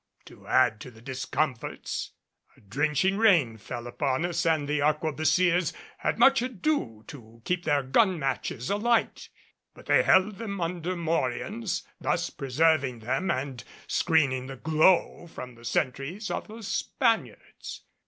To add to the discomforts, a drenching rain fell upon us and the arquebusiers had much ado to keep their gun matches alight. But they held them under morions, thus preserving them and screening the glow from the sentries of the Spaniards.